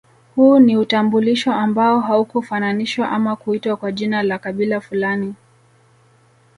Huu ni utambulisho ambao haukufananishwa ama kuitwa kwa jina la kabila fulani